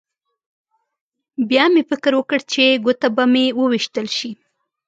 بیا مې فکر وکړ چې ګوته به مې وویشتل شي